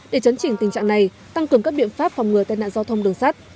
để chấn chỉnh tình trạng này tăng cường các biện pháp phòng ngừa tai nạn giao thông đường sắt